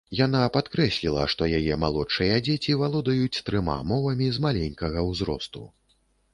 Яна падкрэсліла, што яе малодшыя дзеці валодаюць трыма мовамі з маленькага ўзросту.